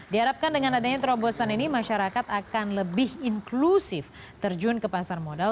diharapkan dengan adanya terobosan ini masyarakat akan lebih inklusif terjun ke pasar modal